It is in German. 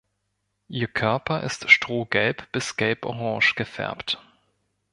Ihr Körper ist strohgelb bis gelborange gefärbt.